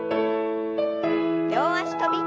両脚跳び。